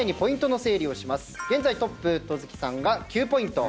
現在トップ戸次さんが９ポイント。